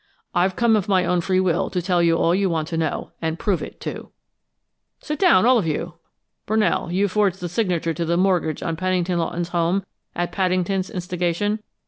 I've come of my own free will, to tell you all you want to know, and prove it, too!" "Sit down, all of you. Brunell, you forged the signature to the mortgage on Pennington Lawton's home, at Paddington's instigation?"